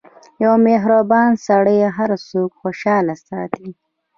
• یو مهربان سړی هر څوک خوشحال ساتي.